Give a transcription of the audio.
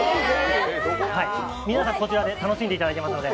皆さん、こちらで楽しんでいただきますので。